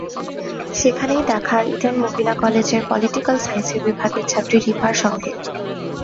সেখানেই দেখা ইডেন মহিলা কলেজের পলিটিক্যাল সায়েন্স বিভাগের ছাত্রী রিপার সঙ্গে।